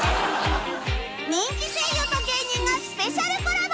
人気声優と芸人がスペシャルコラボ